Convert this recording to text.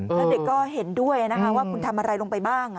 แล้วเด็กก็เห็นด้วยนะคะว่าคุณทำอะไรลงไปบ้าง